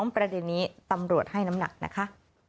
ประเด็นนี้ตำรวจให้น้ำหนักนะคะ